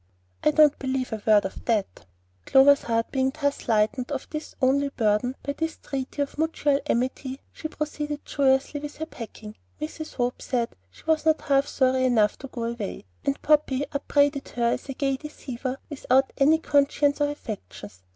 "I don't believe a word of that" Clover's heart being thus lightened of its only burden by this treaty of mutual amity, she proceeded joyously with her packing. Mrs. Hope said she was not half sorry enough to go away, and Poppy upbraided her as a gay deceiver without any conscience or affections.